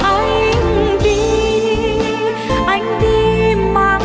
anh đi anh đi mang cả tình em